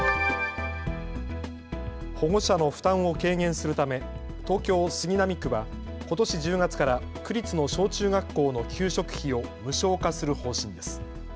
保護者の負担を軽減するため東京杉並区はことし１０月から区立の小中学校の給食費を無償化する方針です。